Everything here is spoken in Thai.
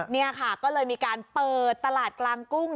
นี่ค่ะก็เลยมีการเปิดตลาดกลางกุ้ง